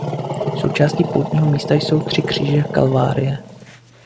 Součástí poutního místa jsou tři kříže Kalvárie.